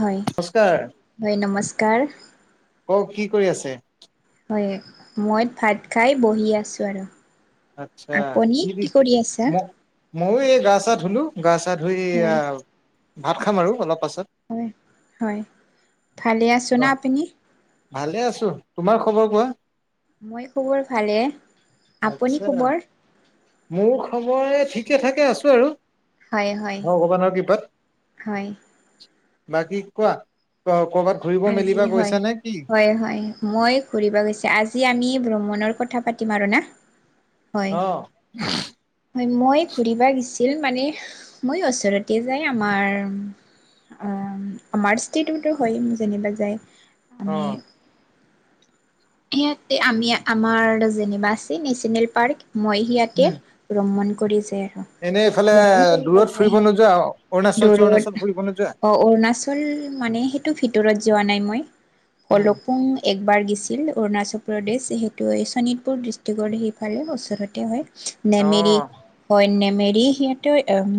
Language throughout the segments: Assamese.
হয়, নমস্কাৰ হয়, নমস্কাৰ। কওক কি কৰি আছে হয়, মই ভাত খাই, বহি আছোঁ আৰু। আচ্ছা আপুনি দি কি কৰি আছে? ম ময়ো এই গা-চা ধুলোঁ, গা-চা ধুই হয়, ভাত খাম আৰু অলপ পাছত। হয়, হয়, ভালে আছো না, কোৱা আপুনি? ভালে আছো, তোমাৰ খবৰ কোৱা? মই খবৰ ভালে আপুনি আচ্ছা খবৰ। মোৰ খবৰ ঠিকে থাকে আছো আৰু হয়, হয়, ভগৱানৰ কৃপাত, হয়। বাকী কোৱা ক কবাত, আজি হয় হয় হয় মই, ঘূৰিব গৈছে আজি আমি ভ্ৰমণৰ কথা পাতিম আৰু না। হয়। অ হয় মই ঘুৰিব গৈছিল মানে মই ওচৰতে যাই আমাৰ। আমাৰ ষ্টেটোতো হয় যেনিবা যায় অ আমি। সিয়াতে আমি আমাৰ যেনিবা আছে নেশনেল পাৰ্ক মই, ইয়াকে উম ভ্ৰমণ কৰি যায় এনে এইফালে আৰু ভ্ৰমণ কৰিব দূৰত যায় ফুৰিব নোযোৱা অৰুণাচল চৰুণাচল দৰত ফুৰিব নোযোৱা আহ অৰুণাচল আচল মানে সেইটো ভিতৰত যোৱা নাই মই উম কলো, পুং একবাৰ গিছিল অৰুণাচল প্ৰদেশ সেইটো শোণিতপুৰ ডিষ্ট্ৰিকটৰ সেই, পালে ওচৰতে হয়। অ নেমেৰি হয় নেমেৰি সিহঁতে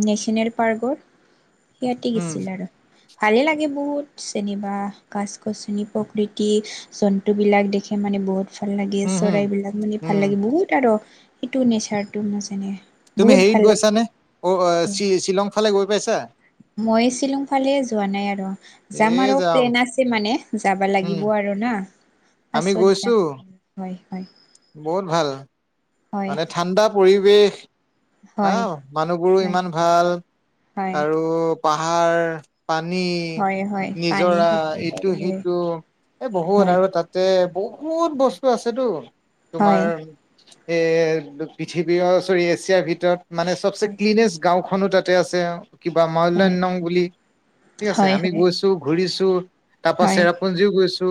নেশচনেল পাৰ্কৰ, সিহঁতে উম গৈছিল আৰু ভালে লাগে বহুত, যেনিবা গাছ-গছনি প্ৰকৃতি জন্তুবিলাক দেখে মানে বহুত। ভাল লাগে উম হম চৰাইবিলাক মানে ভাল উম লাগে বহুত আৰু সেইটো নেচাৰটো নাজানে, তুমি বহুত হেৰিত ভাল লাগে গৈছানে অ হয় শ্বিলং ফালে গৈ পাইছা। মই শ্বিলং ফালে যোৱা নাই আৰু যাম আৰু প্লেন আছে মানে। যাব উম লাগিব আৰু না আমি পাছত গৈছো যাম হয় হয়। বহুত ভাল হয় মানে ঠাণ্ডা পৰিৱেশ। হয় আহ মানুহবোৰো ইমান ভাল হয় হয় আৰু পাহাৰ। পানী হয় হয় পানী নিজৰা হয় হয় ইটো-সিটো এই বহুত হয় আৰু তাত তাতে বহুত বস্তু আছেতো হয় তোমাৰ হয় এ পৃথিৱী চৰি এছিয়াৰ ভিতৰত মানে চবচে ক্লিনেষ্ট গাঁওখনো তাতে আছে আও, কিবা হয় হয় ময়লংনম বুলি ঠিক আছে হয় আমি গৈছো ঘূৰিছো। তাৰ পৰা হয় চেৰাপুঞ্জীও গৈছো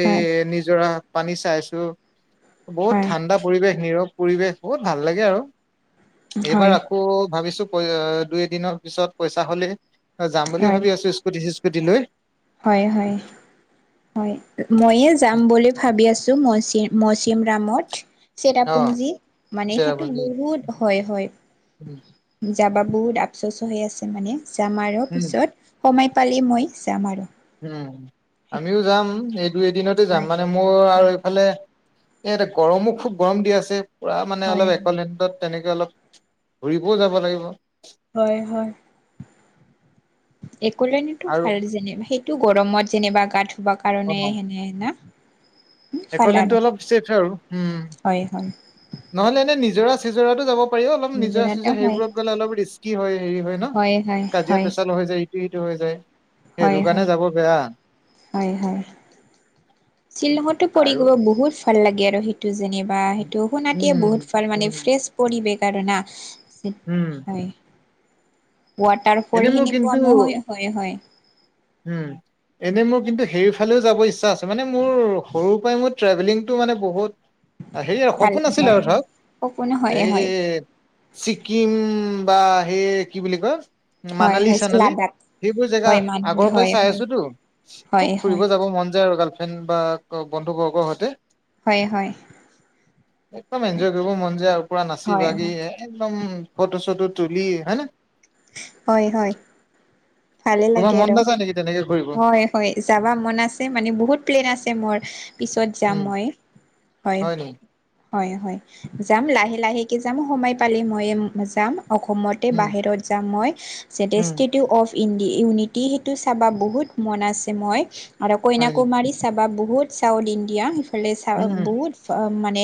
এই হয় নিজৰা পানী চাইছো। বহুত হয় ঠাণ্ডা পৰিৱেশ নীৰৱ পৰিৱেশ বহুত ভাল লাগে আৰু হয় এইবাৰ আকৌ ভাবিছো পই দুই এদিনৰ পিছত পইচা হ'লে যাম বুলি হয় ভাবি আছো। [unintelligible] হয় হয়। হয় ময়ে যাম বুলি ভাবি আছো মৌচি মৌচিম ৰামত। অ চেৰাপুঞ্জী মানে সেইটো চেৰাপুঞ্জী বহুত হয় উম হয়। যাবা বহুত আপচোচ হৈ আছে মানে যাম আৰু উম পিছত। সময় পালেই মই যাম আৰু উম সেইটো আমিও যাম এই দুই এদিনতে যাম হয় মানে মোৰ আৰু হয় এইফালে এইআতে গৰমো খুব গৰম দি আছে পুৰা মানে হয় অলপ একলেণ্ডত। তেনেকে অলপ ঘূৰিবও যাব লাগিব। হয় হয় একলেণ্ডতো আৰু ভাল যেনে সেই টো গৰমত যেনিবা গা ধুবা কাৰণে সেনেনা। একলেণ্ডতো অলপ ছেফ আৰু উম হয় হয় নহলে এনে নিজৰা চিজৰাটো যাব [unintelligible] নিজৰা নিজৰাতে চিজৰা হয় সেইবোৰ গলে অলপ ৰিসকি হয় হেৰি হয় ন হয় কাজিয়া হয় পেছাল হৈ যায় [unintelligible] হৈ যায় সেইটো হয় হয় কাৰণে যাব বেয়া। হয়, হয় শ্বিলঙতো পঢ়ি আৰু গৈ বহুত ভাল লাগে আৰু সেইটো যেনিবা সেইটো সোণতি উম বহুত ভাল মানে উম ফ্ৰেছ পৰিৱেশৰ‌ হয় না। উম। হয়। এনে মোৰ ৱাটাৰফলখিনি পোৱা কিন্তু [unintelligible] হয়, হয়। উম। এনেই মোৰ কিন্তু সেইফালেও যাব ইচ্ছা আছে, মানে মোৰ সৰুৰ পৰাই মোৰ ট্ৰেভেলিংটো মানে বহুত হেই আৰু ভাল সপোন আছিলে হয় আৰু হয় সপোন ধৰক হয় এই হয় ছিকিম বা সেই কি বুলি কয়। হয় হয় মানালী-চানালী লাডাখ সেইবোৰ জেগা হয় মানুহ আগৰ পৰাই হয় চাই হয় আছোঁতো। খুব হয় হয় ফুৰিব যাব মন যায় আৰু গাৰ্লফ্ৰেণ্ড বা বন্ধু বৰ্গৰ সৈতে। হয় হয় একদম এনজয় কৰিব মন যে আৰু পুৰা নাচি হয় ভাগি একদম ফটো-চটো তুুলি হয় নে? হয়, হয় ভালে তোমাৰ লাগে মন আৰু নাযায় নেকি তেনেকে কৰিব? হয়। হয় যাব মন আছে মানে বহুত প্লেন আছে মোৰ। পিছত যাম উম, মই হয়। হয়, হয় যাম লাহে, লাহেকে যাম সময় পালে মইওঁ যাম অসমৰ তাতে উম, বাহিৰত যাম মই উম, জেটষ্টেটু অফ ইড-ইউনিটি সেইটো চাব বহুত মন আছে মই আৰু হয় নি? কইনাকুমাৰী চাবা বহুত চাউথ ইণ্ডিয়া ইফালে চাব উম, উম, বহুত মানে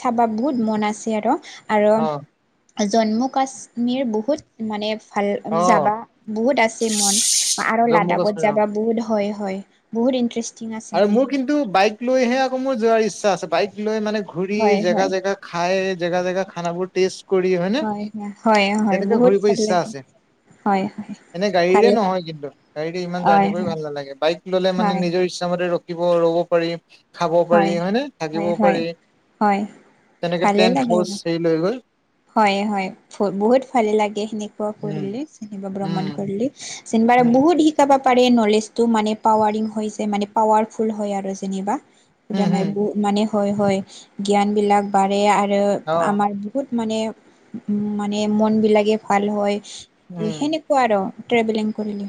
চাবা বহুত মন আছে আৰু, আৰু অ', জম্মু কাশ্মীৰ বহুত মানে ভাল অ', যাবা বহুত আছে মন আৰু জম্মু লাডাখত কাশ্মীৰ অ'। যাবা বহুত হয়। হয় বহুত ইনট্ৰেছ আৰু মোৰ কিন্তু বাইক লৈহে আকৌ মোৰ যোৱাৰ ইচ্ছা আছে, বাইক লৈ মানে ঘূৰি হয় জেগা হয় জেগাত। খাই জেগা, জেগা খানা বোৰ টেষ্ট কৰি হয়নে? হয়, হয়, হয় তেনেকে বহুত ঘূৰিব ভাল ইচ্ছা লাগিল আছে। হয়। এনে গাড়ীৰে ভালে নহয়, কিন্তু গাড়ীৰে ইমান হয় জাৰ্ণি কৰি হয় ভাল নালাগে, বাইক ল'লে মানে হয় নিজৰ মতে ৰখিব ৰ'ব পাৰি। খাব পাৰি হয় হয়নে, হয় থাকিবও হয় পাৰি, হয় তেনেকে ভালে তেন্ত লাগে আৰু হাউচ চে লৈ গৈ। হয়, হয় বহুত ভালে লাগে, সেনেকুৱা উম কৰিলি সেনেকুৱা ভ্ৰমণ উম কৰিলি। চনিবাৰে উম বহুতিক চাব পাৰে নলেজটো মানে পাৱাৰিং হৈচে মানে পাৱাৰফুল হয় আৰু যেনিবা। উম হম মানে হয়, হয় জ্ঞান বিলাক বাঢ়ে আৰু অ আমাৰ বহুত মানে, মানে মনবিলাকে ভাল হয় উম সেনে কোৱা আৰু ট্ৰেভেলিং কৰিলে।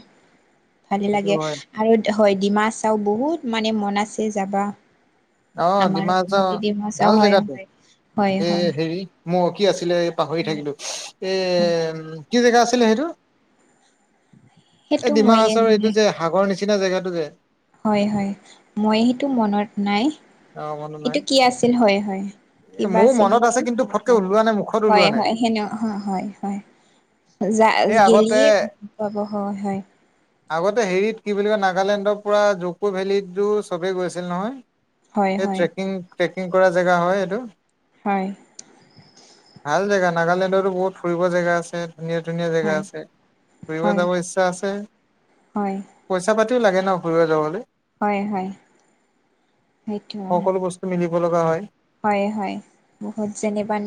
ভালে সেইটো লাগে হয় আৰু হয় ডিমা হাচাও বহুত মানে মন আছে যাবা। অ', আমাৰ ডিমা হাছাও অসমতে ডিমা চাও ভাল হয় জেগাটো, হয় হয় এই হয় হেৰি মৌ কি আছিলে পাহৰি থাকিলোঁ, এ কি জেগা আছিলে সেইটো? এ সেইটো ডিমা মইয়ে হাছাও এইটো মানে যে সাগৰ নিচিনা জেগাটো যে। হয়, হয় মই সেইটো মনত নাই অ মনত নাই সেইটো কি আছিল? হয, হয়। কিবা ময়ো আছিল মনত নেকি? আছে কিন্তু ফটকে ওলোৱা নাই মুখত হয়, ওলোৱা নাই হয়, হয়, হয়। যা এই গেলিয়ে আগতে পাব হয়, হয়। আগতে হেৰিত কি বুলি কয়, নাগালেণ্ডৰ পৰা জকো ভেলিতটো চবেই গৈছিল নহয়? হয় এই হয় ট্ৰেকিং-ট্ৰেকিং কৰা জেগা হয় সেইটো। হয়। ভাল জেগা, নাগালেণ্ডৰতো বহুত ফুৰিব জেগা আছে। ধুনীয়া-ধুনীয়া হয় জেগা আছে, ফুৰিব হয় যাব ইচ্ছা আছে হয়। পইচা পাতিও লাগে ন' ঘূৰিব যাবলৈ। হয়-হয়। সকলো বস্তু মিলিব লগা হয় হয় হয় বহুত যেনিবা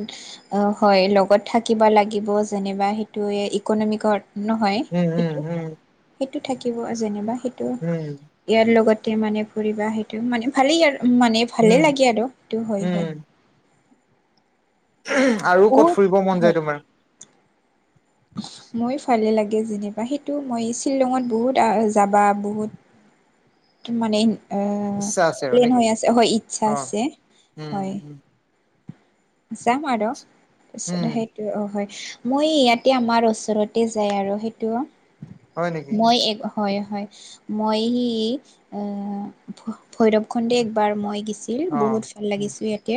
অ হয় লগত থাকিব লাগিব যেনিবা সেইটো ইকনমিকৰ নহয় উম উম উম সেইটো-সেইটো থাকিব যেনিবা সেইটো উম ইয়াৰ লগতে মানে ফুৰিবা সেইটো মানে ভালেই আৰু মানে ভালে উম লাগে আৰু সেইটো হয়-হয়। উম [unintelligible] অত ফুৰিব মন যায় হয় [unintelligible] মই ভালে লাগে যেনিবা সেইটো মই শ্বিলঙত বহুত যাবা বহুত মানে আহ ইচ্ছা আছে আৰু প্লেন নেকি হৈ আছে, হয় ইচ্ছা অ আছে উম হয়। উম যাম আৰু পিছত উম হেই অ হয় মই ইয়াতে আমাৰ ওচৰতে যাই আৰু সেইতো হয় নেকি মই এক ক হয়-হয় মই ভৈৰৱ খণ্ডে একবাৰ মই গেছি ছিল অ বহুত ভাল উম লাগিছো ইয়াতে,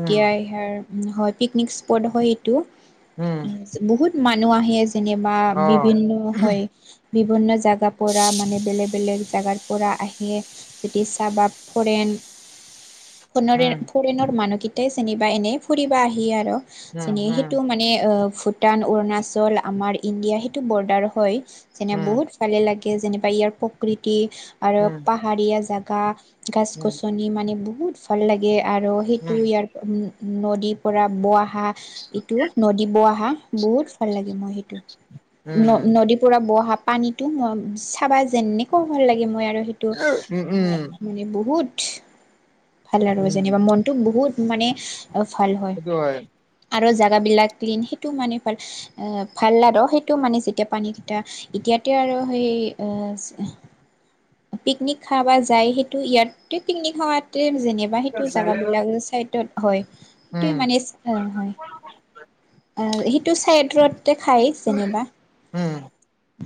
উম ইয়াৰ হয় পিকনিক স্পট হয় সেইটো উম বহুত মানুহ আহে যেনিবা অ বিভিন্ন হয় বিভিন্ন জেগা পৰা মানে বেলেগ বেলেগ জেগাৰ পৰা আহে যেতি চাবা ফৰেইন, ফোনৰেৰ উম ফোন ফৰেনৰ মানুহকেইটাই যেনিবা এনে ফুৰিব আহি আৰু উম যেনি উম সেইটো মানে মনে ভূটান, অৰুণাচল, আমাৰ ইণ্ডিয়া সেইটো বৰ্ডাৰ হয়, যেনে উম বহুত ফালে লাগে যেনিবা, ইয়াৰ প্ৰকৃতি আৰু উম পাহাৰীয়া জেগা উম গাছ-গছনি মানে বহুত ভাল লাগে আৰু সেইটো উম, ইয়াৰ উম-উম নদীৰ পৰা বোৱা হাক এইটো নদী বৈ অহা, বহুত ভাল লাগে মই সেইটো। উম, ন-নদী পুৰা বৈ অহা পানীতো মই চাবা যেনেকা ভাল লাগে মই আৰু সেই টো উম, অ উম, মানে বহুত ভাল আৰু উম, যেনিবা মনটো বহুত মানে ভাল হয়। আৰু জেগাবিলাক ক্লিন সেইটোও মানে ভাল। অ ভাল আৰ, সেইটো মানে যেতিয়া পানী কেইটা এতিয়াতে আৰ সেই অ পিকনিক খাবা যায় সেইটো, ইয়াত পিকনিক খাওঁতে যেনে বা সেইটো জাগা বিলাক চাইডত হয়, সেইটোৱেই উম, মানে ইচ আহ হয়। আহ সেইটো চাইদত খায় যেনবা। উম,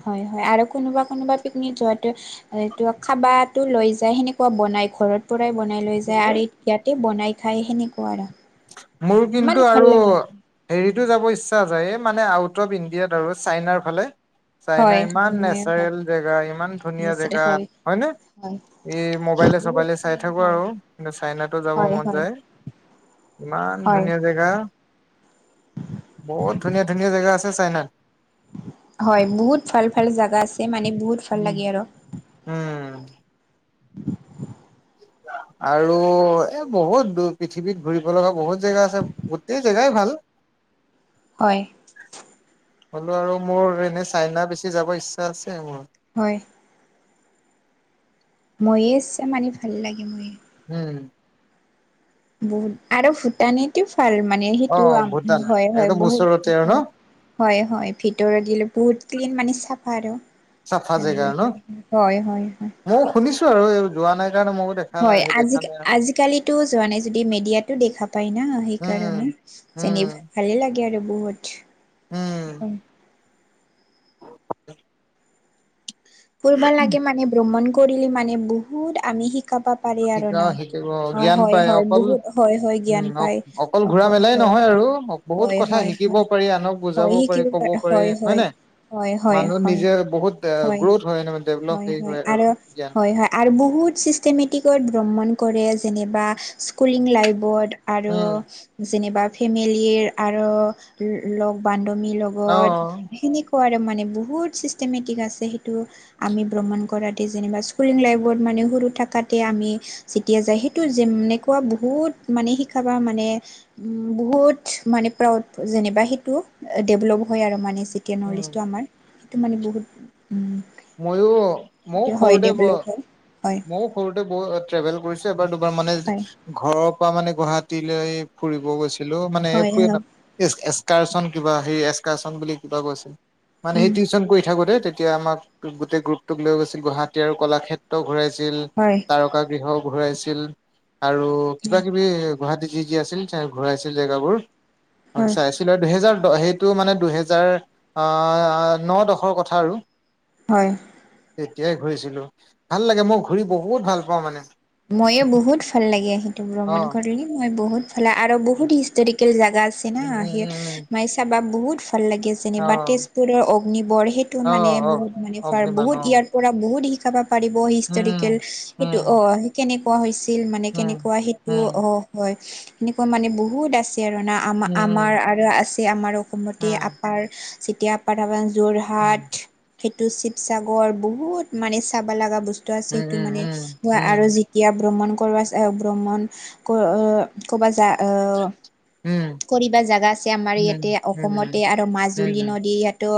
হয়-হয় আৰু কোনোবা-কোনোবা পিকনিক যোৱাটো হয় খাবাতো লৈ যায় সেনেকুৱা বনাই ঘৰত পুৰাই বনাই লৈ যায় আৰু ইয়াতে বনাই খায় সেনেকুৱা আৰু। মোৰ মানে কিন্তু ভাল আৰু লাগে হেৰিতো যাব ইচ্ছা যায়, এই মানে আউট অফ ইণ্ডিয়াৰ আৰু চাইনাৰ ফালে। চাইনা হয় হয় ইমান ময়ো হয় নেচাৰেল জেগা, ইমান ধুনীয়া নিশ্চিত জেগা হয় হয়নে? হয় এই বহুত ম'বাইলে-চবাইলে চাই দিন থাকো হয় আৰু এতিয়া চাইনাটো যাব হয় মন হয় যায়। ইমান হয় ধুনীয়া জেগা। বহুত ধুনীয়া, ধুনীয়া জেগা আছে চাইনাত। হয়, বহুত ভাল ভাল জাগা আছে মানে, বহুত ভাল উম, লাগে আৰু অঁ। আৰু এ বহুত দু পৃথিৱীত ঘূৰিব লগা বহুত জেগা আছে। গোটেই জেগাই ভাল। হয়। হ'লেও আৰু মোৰ এনেই চাইনা বেছি যাব ইচ্ছা আছে মোৰ। হয়। ময়েই চ মানি ভাল লাগে ময়েই। উম। বহুত আৰু ভূটানীত টো ভাল মানে, অ সেইটো আম্ ভূটান হয়, হয় একদম ওচৰতে বহুত আৰু ন হয়। হয়, হয়, ভিতৰৰ বিলাকো ক্লিন মানে চাফা আৰু চাফা চাইনিজ বিলাকৰ ভিতৰত হয়, হয় হয়। মও শুনিছো আৰু। যোৱা নাই কাৰণে মই হয়, আজি আজিকালিতো যোৱা নাই যদিওঁ মেডিয়াতো দেখা পায় না উম সেইকাৰণে। জানি উম ভালেই লাগে আৰু বহুত। উম [inaudible] ফুৰিব লাগে মানে, ভ্ৰমণ কৰিলে মানে বহুত আমি শিক্ষা পাম। শিকা শিকিব, জ্ঞান পাই, অকল বহুত হয়, হয়, জ্ঞান উম অক্ পায়। অকল অক ঘুৰা মেলাই হয়, নহয় আৰু সক্ বহুত হয়, কথা হয়, শিকিব হয়, পাৰি, আনক বুজাব হয়, পাৰি, শিকিব ক'ব পাৰে পাৰি, হয় নাই? হয়, হয়, মানুহ হয়, নিজেই বহুত এ হয়। গ্ৰোথ হয় ডেভলপ হয়, হেৰি হয় আৰু জ্ঞান হয় হয়। আৰু বহুত চিষ্টেমেটিকত ভ্ৰমণ কৰে, যেনিবা স্কুলিং লাইফত আৰু উম যেনিবা ফেমেলিৰ আৰু ল ' লগ বান্ধৱী লগ অ গত, সেনেকুৱা আৰু মানে বহুত চিষ্টেমেটিক আছে সেইটো- আমি ভ্ৰমণ কৰাতে যেনিবা স্কুলিং লাইফত মানে, সৰু থাকাতে আমি যেতিয়া যায়, সেইটো যেনেকুৱা বহুত মানে শিক্ষা পাওঁ মানে। উম, বহুত মানে প্ৰাউড যেনিবা সেইটো, ডেৱলপো হয় আৰু মানে চি কে উম নলেষ্টটো আমাৰ সেইটো মানে বহুত উম মইওঁ সেইতো হয়, ডেভলপ হয়, হয়। মোক সৰুতে ব ট্ৰেভেল কৰিছে এবাৰ, দুবাৰ মানে হয় ঘৰৰ পৰা মানে গুৱাহাটীলৈ ফুৰিব গৈছিলোঁ মানে হয় হয় ফুৰি হয় না এক্স এক্সাৰচণ কিবা সেই এক্সাৰচন বুলি কিবা গৈছোঁ। মানে উম সেই টিউচন কৰি থাকোতে তেতিয়া আমাক গোটেই গ্ৰুপটোক লৈ গৈছিল গুৱাহাটী আৰু কলাক্ষেত্ ত্ৰ ঘুৰাইছিল হয়। তাৰকা গৃহ ঘুৰাইছিল আৰু কিবা-কিবি গুৱাহাটীত কি কি আছিল তেওঁ ঘুৰাইছিল জেগাবোৰ। আমি হয় চাইছি ছিলে দুহেজাৰ দ সেইটো মানে দুহেজাৰ আঁ ন, দশৰ কথা আৰু। হয়। তেতিয়াই ঘুৰিছিলো। ভাল লাগে মই ঘুৰি বহুত ভাল পাওঁ মানে। ময়ো বহুত ভাল লাগে, সেইটো অ ভ্ৰমণ কৰিলো মই বহুত। ফালে আৰু বহুত হিষ্টৰিকেল জাগা আছে না, মাই চাবা বহুত ভাল লাগে। যেনেবা তেজপুৰৰ অগ্নিবড়, সেইটো মানে বহুত মানে ফাৰ, বহুত ইয়াৰ পৰা বহুত শিকাব। পাৰিব হিষ্টৰিকেল, সেইটো অহ সেই কাৰণে কোৱা হৈছিল? মানে কেনেকুৱা সেইটো? অহ। হয় সেনেকুৱা মানে বহুত আছে আৰু না আম আমাৰ আৰু আছে আমাৰ অসমতে আপাৰ চ [unintelligible] তিয়া প্ৰাধান যোৰহাট সেইটো শিৱসাগৰ বহুত মানে চাব লগা বস্তু আছে সেইটো মানে আৰু যি ইয়া ব্ৰমণ কৰ আছে ব্ৰমণ কব যা আহ। ফুৰিবা জেগা আছে আমাৰ ইয়াতে অসমতে আৰু মাজুলী নদী ইয়াতো।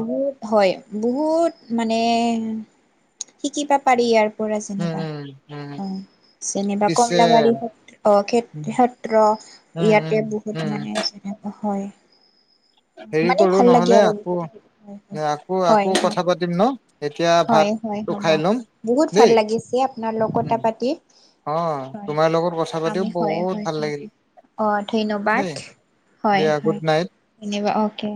বহুত। হয় বহুত মানে শিকিবা পাৰি ইয়াৰ পৰা যেনেবা। অহ যেনবা পিছে কমলবাৰী সত্ৰ অ উম সত্ৰ উম ইয়াতে উম বহুত উম। মানে যেনেকুৱা হয়। হেৰি মানে কৰো ভাল লাগে নহ'লে আৰু আকৌ আকৌ আকৌ হয় হয়। কথা পাতিম ন এতিয়া হয় হয় ভাতটো হ'ব খাই ল'ম বহুত ভাল দেই লাগিছে আপোনাৰ লগত কথা। উম পাতি অ হয় তোমাৰ লগত কথা পাতিও আমি হয় বহুত হয় ভাল হয়। লাগিল অঁ ধন্যবাদ। দেই দিয়া গুড নাইট। তেনেকুৱা অহ কে।